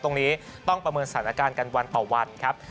ตรงนี้ต้องประเมินสถานการณ์กันวันต่อวันครับ